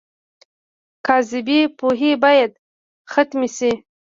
کاذبې پوهې باید ختمې شي.